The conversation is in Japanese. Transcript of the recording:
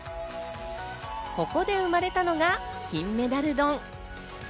ここで生まれたのが金メダル丼。